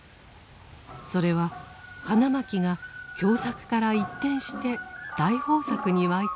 それは花巻が凶作から一転して大豊作に沸いた年となりました。